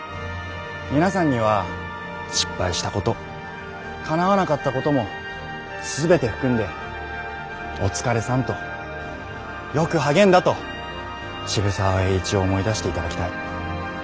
皆さんには失敗したことかなわなかったことも全て含んで「お疲れさん」と「よく励んだ」と渋沢栄一を思い出していただきたい。